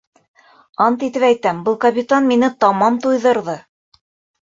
Ант итеп әйтәм, был капитан мине тамам туйҙырҙы.